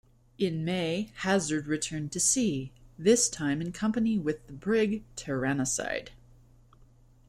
In May, "Hazard" returned to sea, this time in company with the brig "Tyrannicide".